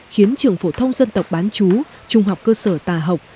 khiến trường phổ thông dân tộc bán chú trung học cơ sở tà học